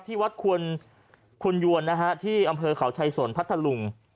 ที่วัดควรคุณยวนที่อำเภอเขาชัยสนพรรถลุง